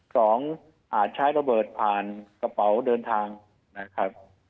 อาจใช้ระเบิดผ่านกระเป๋าเดินทางนะครับ